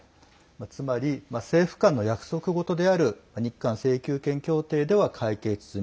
つまり、政府間の約束事である日韓請求権協定では解決済み。